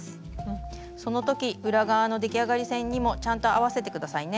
その時裏側の出来上がり線にもちゃんと合わせて下さいね。